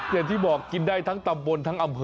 อย่างที่บอกกินได้ทั้งตำบลทั้งอำเภอ